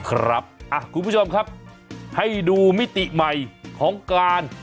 คุณผู้ชมครับให้ดูมิติใหม่ของการ